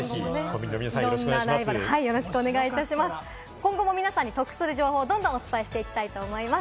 今後も皆さんに得する情報をどんどんお伝えしていきたいと思います。